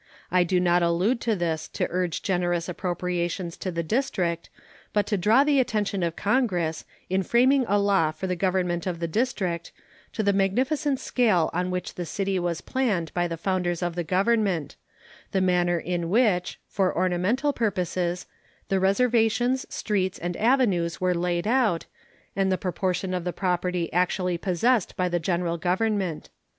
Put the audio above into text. I do not allude to this to urge generous appropriations to the District, but to draw the attention of Congress, in framing a law for the government of the District, to the magnificent scale on which the city was planned by the founders of the Government; the manner in which, for ornamental purposes, the reservations, streets, and avenues were laid out, and the proportion of the property actually possessed by the General Government.